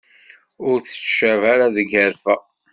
Ur tettcab ara tgerfa.